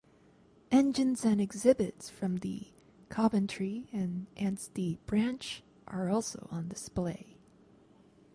Engines and exhibits from the Coventry and Ansty Branch are also on display.